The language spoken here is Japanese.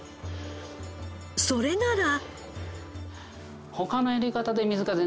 それなら。